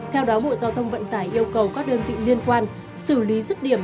theo đó bộ giao thông vận tải yêu cầu các đơn vị liên quan xử lý rứt điểm